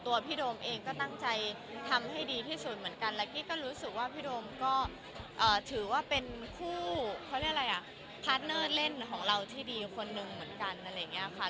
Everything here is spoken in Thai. ตัวพี่โดมเองก็ตั้งใจทำให้ดีที่สุดเหมือนกันและกิ๊กก็รู้สึกว่าพี่โดมก็ถือว่าเป็นคู่พาร์ทเนอร์เล่นของเราที่ดีคนนึงเหมือนกัน